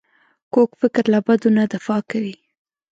کوږ فکر له بدو نه دفاع کوي